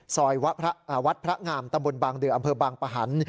ซอยวัดพระงามตำบลบางเดืออำเภอบางปะหัน